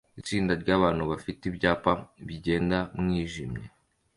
Itsinda ryabantu bafite ibyapa bigenda mwijimye